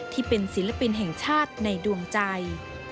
ที่เป็นศิลปินแห่งชาติในดวงใจ